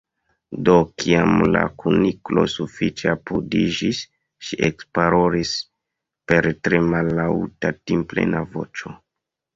Do, kiam la Kuniklo sufiĉe apudiĝis, ŝi ekparolis per tre mallaŭta timplena voĉo.